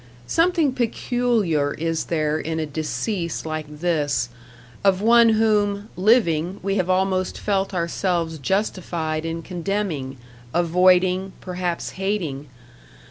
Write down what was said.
Something peculiar is there in a decease like this of one whom, living, we have almost felt ourselves justified in condemning, avoiding perhaps hating.